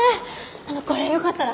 あのこれよかったら。